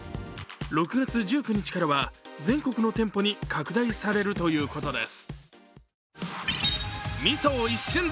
６月１９日からは全国の店舗に拡大されるということです。